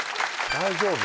大丈夫？